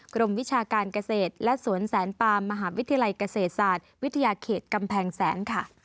วิชาการเกษตรและสวนแสนปามมหาวิทยาลัยเกษตรศาสตร์วิทยาเขตกำแพงแสนค่ะ